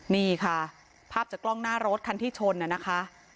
นี่ค่ะภาพจากกล้องหน้ารถคันที่ชนนะคะ